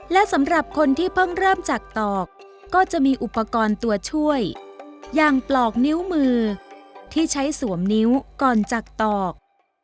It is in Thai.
และสำหรับคนที่เพิ่งเริ่มจากตอกก็จะมีอุปกรณ์ตัวช่วยอย่างปลอกนิ้วมือที่ใช้สวมนิ้วก่อนจากตอก